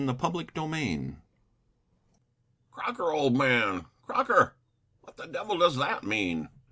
CHAPTER XVII "Crocker, old man, Crocker, what the devil does that mean?"